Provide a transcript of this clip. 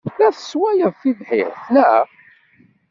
La tesswayeḍ tibḥirt, naɣ?